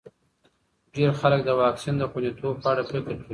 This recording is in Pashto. ډېر خلک د واکسین د خونديتوب په اړه فکر کوي.